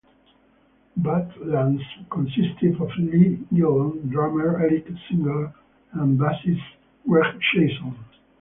Badlands consisted of Lee, Gillen, drummer Eric Singer, and bassist Greg Chaisson.